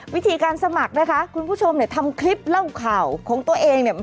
วิธีการสมัครนะคะคุณผู้ชมเนี่ยทำคลิปเล่าข่าวของตัวเองเนี่ย